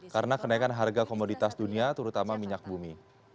karena kenaikan harga komoditas dunia terutama minyak bumi